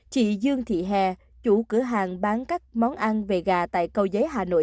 chị dương thị hè chủ cửa hàng bán các món ăn về gà tại cầu giấy hà nội